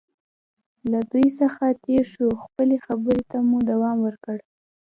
له دوی څخه تېر شو، خپلې خبرې ته مو دوام ورکړ.